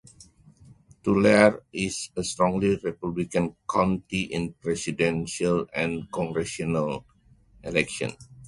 Tulare is a strongly Republican county in Presidential and congressional elections.